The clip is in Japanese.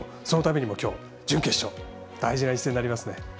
そのためにも、きょう準決勝大事な一戦になりますね。